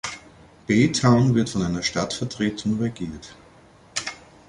Baytown wird von einer Stadtvertretung regiert.